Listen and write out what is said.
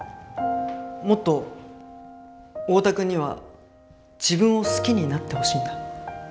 もっと太田君には自分を好きになってほしいんだ。